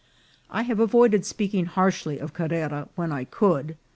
I have avoided speaking harshly of Carrera when I could.